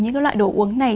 những loại đồ uống này